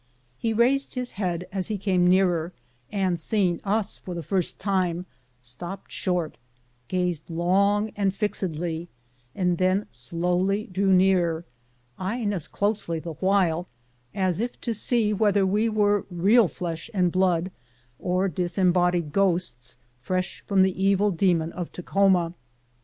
He raised his head as he came nearer, and, seeing us for the first time, stopped short, gazed long and fixedly, and then slowly drew near, eying us closely the while, as if to see whether we were real flesh and blood or dis embodied ghosts fresh from the evil demon of Ta khoma.